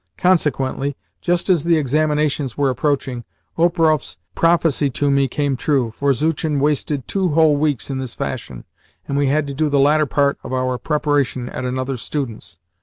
Consequently, just as the examinations were approaching, Operoff's prophecy to me came true, for Zuchin wasted two whole weeks in this fashion, and we had to do the latter part of our preparation at another student's.